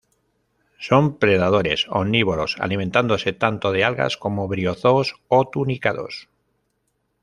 Son predadores omnívoros, alimentándose tanto de algas, como briozoos, o tunicados.